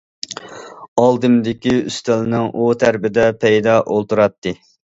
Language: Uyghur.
ئالدىمدىكى ئۈستەلنىڭ ئۇ تەرىپىدە پەيدا ئولتۇراتتى.